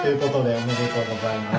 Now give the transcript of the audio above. ありがとうございます。